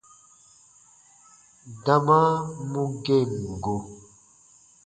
Dama mu gem go.